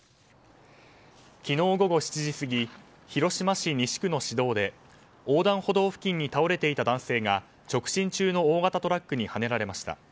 昨日午後７時過ぎ広島市西区の市道で横断歩道付近に倒れていた男性が直進中の大型トラックにはねられました。